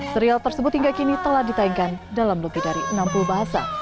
serial tersebut hingga kini telah ditayangkan dalam lebih dari enam puluh bahasa